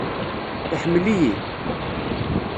Iḥemmel-iyi?